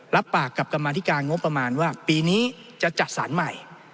รับปากกับกรรมธิการงบประมาณว่าปีนี้จะจัดสารใหม่